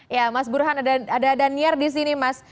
ya mas burhan ada daniar di sini mas